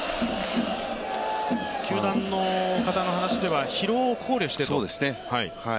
球団の方の話では疲労を考慮してと。